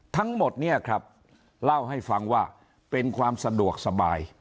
ทั้งหมดเนี่ยครับเล่าให้ฟังว่าเป็นความสะดวกสบาย